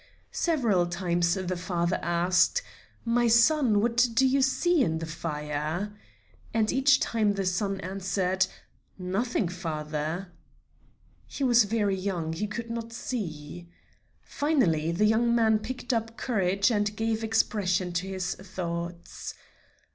Several times the father asked: "My son, what do you see in the fire?" And each time the son answered: "Nothing, father." He was very young; he could not see. Finally, the young man picked up courage and gave expression to his thoughts.